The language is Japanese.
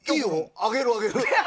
あげるあげる。